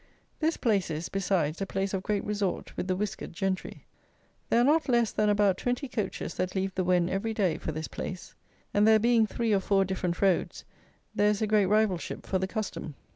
This place is, besides, a place of great resort with the whiskered gentry. There are not less than about twenty coaches that leave the Wen every day for this place; and there being three or four different roads, there is a great rivalship for the custom.